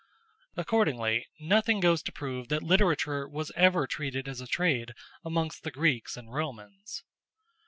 Accordingly nothing goes to prove that literature was ever treated as a trade amongst the Greeks and Romans.